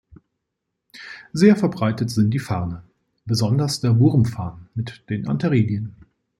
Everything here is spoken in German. Sehr verbreitet sind die Farne, besonders der Wurmfarn mit den Antheridien.